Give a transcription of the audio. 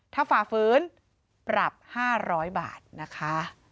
ถ้าฝ่าฝืนปรับ๕๐๐บาทนะคะ